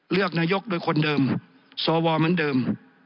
เลือกนายกโดยคนเดิมสวเหมือนเดิม